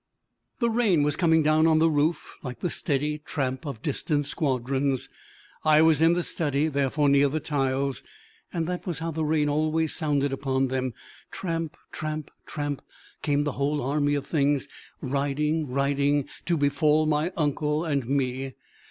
The rain was coming down on the roof like the steady tramp of distant squadrons. I was in the study, therefore near the tiles, and that was how the rain always sounded upon them. Tramp, tramp, tramp, came the whole army of things, riding, riding, to befall my uncle and me.